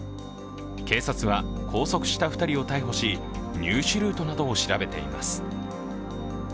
警察は拘束した２人を逮捕し、入手ルートなどを調べています。